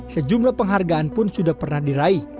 sejumlah penghargaan pun sudah pernah diraih